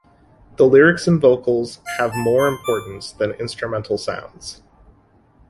The lyrics and vocals have more importance than instrumental sounds.